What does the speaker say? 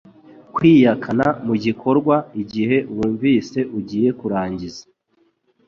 Kwiyakana Mu gikorwa, igihe wumvise ugiye kurangiza